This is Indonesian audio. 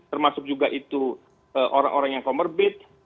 termasuk juga itu orang orang yang comorbid